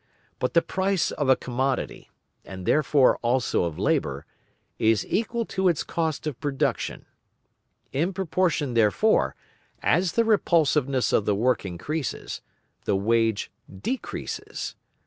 But the price of a commodity, and therefore also of labour, is equal to its cost of production. In proportion therefore, as the repulsiveness of the work increases, the wage decreases.